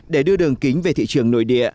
để đưa đường kính về thị trường nội địa